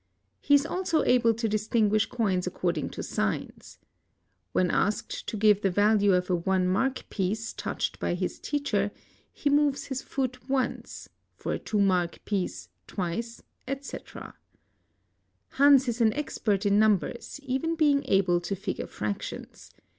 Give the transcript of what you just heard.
He is also able, to distinguish coins according to signs. 'When asked to give the value of a one mark piece touched by his teacher, he moves his tbot once, for a two mark piece twice, &e.' Hans is an expert In numbers, even being able to figure fractions.